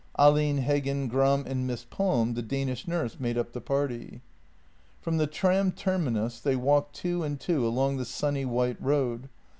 Ahlin, Heggen, Gram, and Miss Palm, the Danish nurse, made up the party. From the tram terminus they walked two and two along the sunny, white road.